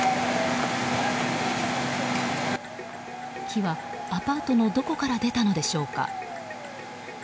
火は、アパートのどこから出たのでしょうか。